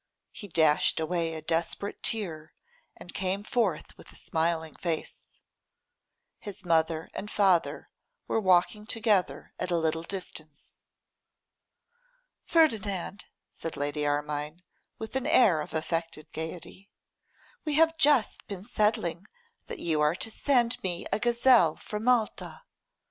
He dashed away a desperate tear, and came forth with a smiling face. His mother and father were walking together at a little distance. 'Ferdinand,' said Lady Armine, with an air of affected gaiety, 'we have just been settling that you are to send me a gazelle from Malta.